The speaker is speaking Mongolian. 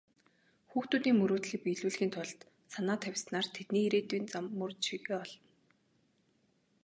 Хүүхдүүдийн мөрөөдлийг биелүүлэхийн тулд санаа тавьснаар тэдний ирээдүйн зам мөр чигээ олно.